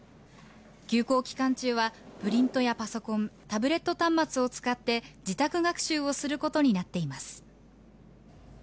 休校期間中はプリントやパソコンタブレット端末を使って自宅学習をすることになっています。